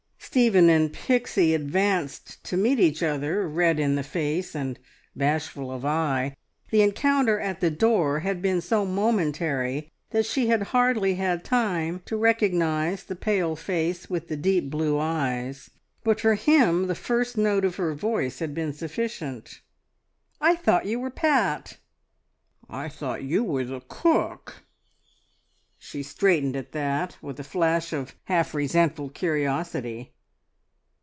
Stephen and Pixie advanced to meet each other, red in the face and bashful of eye. The encounter at the door had been so momentary that she had hardly had time to recognise the pale face with the deep blue eyes, but for him the first note of her voice had been sufficient. "I I thought you were Pat!" "I I thought you were the cook." She straightened at that, with a flash of half resentful curiosity.